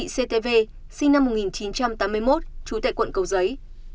sinh năm một nghìn chín trăm tám mươi một trú tại quận cầu giới